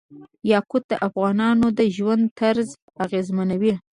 یاقوت د افغانانو د ژوند طرز اغېزمنوي.